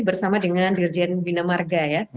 bersama dengan dirjen bina marga ya